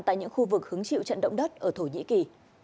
tại những khu vực hứng chịu trận động đất ở thổ nhĩ kỳ